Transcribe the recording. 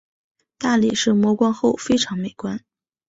大理石磨光后非常美观。